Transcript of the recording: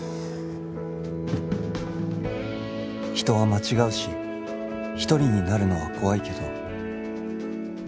人は間違うし一人になるのは怖いけど